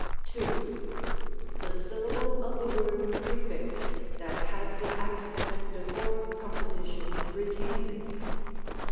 II. The syllable of the word prefixed, that had the accent before composition, retains it.